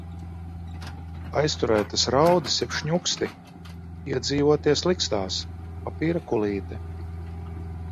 Aizturētas raudas jeb šņuksti. Iedzīvoties likstās. Papīra kulīte.